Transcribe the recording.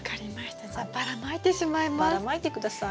ばらまいて下さい。